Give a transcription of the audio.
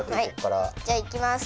じゃいきます。